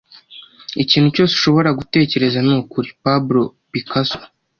ikintu cyose ushobora gutekereza ni ukuri. - pablo picasso